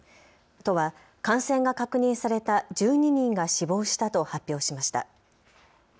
都は感染が確認された１２人が死亡したと発表しました。